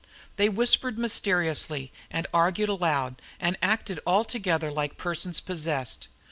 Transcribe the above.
They whispered mysteriously and argued aloud, and acted altogether like persons possessed.